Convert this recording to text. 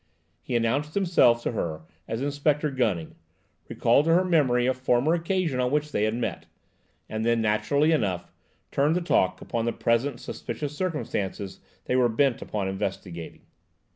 He introduced himself to her as Inspector Gunning, recalled to her memory a former occasion on which they had met, and then, naturally enough, turned the talk upon the present suspicious circumstances they were bent upon investigating.